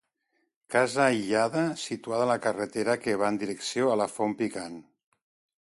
Casa aïllada, situada a la carretera que va en direcció a la Font Picant.